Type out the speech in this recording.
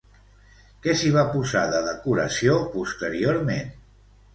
Què s'hi va posar de decoració posteriorment?